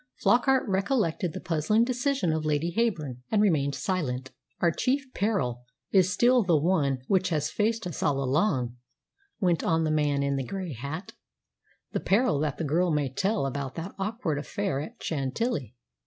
Flockart recollected the puzzling decision of Lady Heyburn, and remained silent. "Our chief peril is still the one which has faced us all along," went on the man in the grey hat "the peril that the girl may tell about that awkward affair at Chantilly."